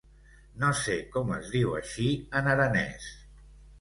No sé com es diu així en aranès.